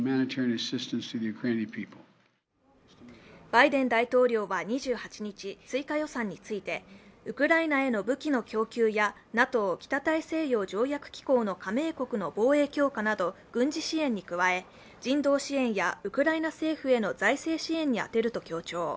バイデン大統領は２８日、追加予算についてウクライナへの武器の供給やＮＡＴＯ＝北大西洋条約機構の加盟国の防衛強化など軍事支援に加え人道支援やウクライナ政府への財政支援に充てると強調。